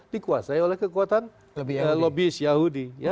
dikuasai oleh kekuatan lobby yahudi